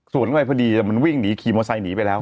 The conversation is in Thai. สวนไว้พอดีแต่มันวิ่งหนีขี่มอเบอร์ไซด์หนีไปแล้ว